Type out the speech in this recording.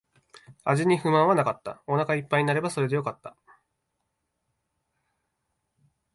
味に不満はなかった。お腹一杯になればそれでよかった。